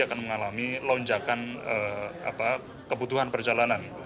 akan mengalami lonjakan kebutuhan perjalanan